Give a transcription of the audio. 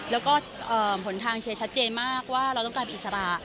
แล้วก็ผลทางเชียร์ชัดเจนมากว่าเราต้องการอิสระ